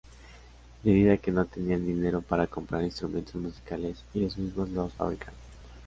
Debido a que no tenían dinero para comprar instrumentos musicales, ellos mismos los fabricaron.